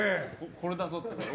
これだぞって。